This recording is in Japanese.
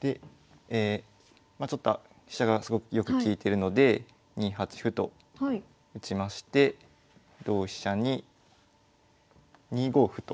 まあちょっと飛車がすごくよく利いてるので２八歩と打ちまして同飛車に２五歩と。